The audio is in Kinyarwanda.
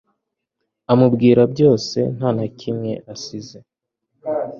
amubwira byose ntanakimwe asize